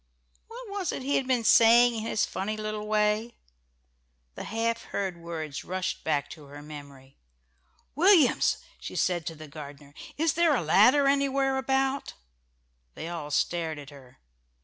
What was it he had been saying in his funny little way? The half heard words rushed back to her memory. "Williams," she said to the gardener, "is there a ladder anywhere about?" They all stared at her.